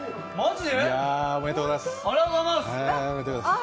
おめでとうございます。